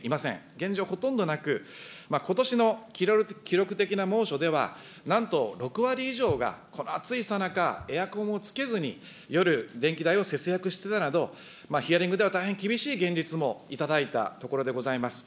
現状、ほとんどなく、ことしの記録的な猛暑では、なんと６割以上が、この暑いさなか、エアコンをつけずに、夜、電気代を節約してたなど、ヒアリングでは大変厳しい現実もいただいたところでございます。